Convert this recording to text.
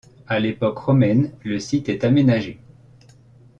À l'époque romaine le site est aménagé.